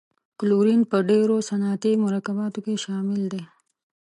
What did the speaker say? کلورین په ډیرو صنعتي مرکباتو کې شامل دی.